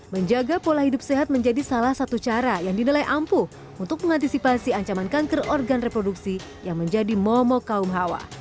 menjaga pola hidup sehat menjadi salah satu cara yang dinilai ampuh untuk mengantisipasi ancaman kanker organ reproduksi yang menjadi momok kaum hawa